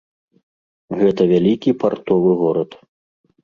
Гэта вялікі партовы горад.